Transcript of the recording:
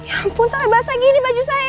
ya ampun sampai basah gini baju saya